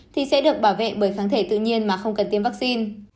thì sẽ được bảo vệ bởi kháng thể tự nhiên mà không cần tiêm vaccine